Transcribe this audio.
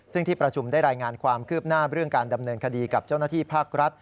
ซึ่งที่ประชุมได้รายงานความคืบหน้าเรื่องการดำเนินคดีกับเจ้าหน้าที่ภาครัฐ